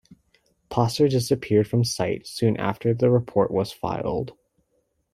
Paser disappeared from sight soon after the report was filed.